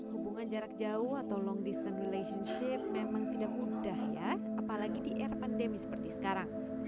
hubungan jarak jauh atau long distance relationship memang tidak mudah ya apalagi di era pandemi seperti sekarang